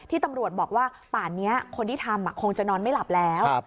ตำรวจบอกว่าป่านนี้คนที่ทำคงจะนอนไม่หลับแล้ว